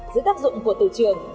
giữa tác dụng của từ trường